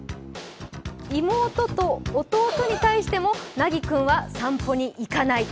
妹と弟に対しても、なぎ君は散歩に行かない。